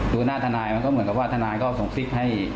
ดูหน้าทนายมันก็เหมือนกับว่าทนายก็ส่งซิกให้